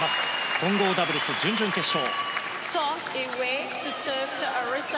混合ダブルス準々決勝。